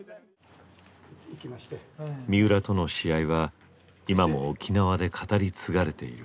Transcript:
三浦との試合は今も沖縄で語り継がれている。